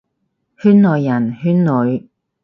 圈內人，圈裏，